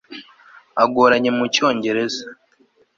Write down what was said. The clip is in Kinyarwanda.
agoranye mu cyongereza